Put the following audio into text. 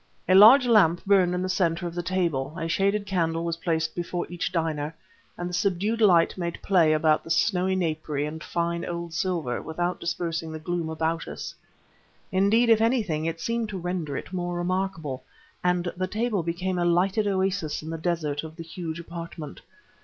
A large lamp burned in the center of the table; a shaded candle was placed before each diner; and the subdued light made play upon the snowy napery and fine old silver without dispersing the gloom about us. Indeed, if anything, it seemed to render it more remarkable, and the table became a lighted oasis in the desert of the huge apartment.